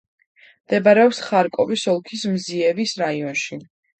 მდებარეობს ხარკოვის ოლქის ზმიევის რაიონში.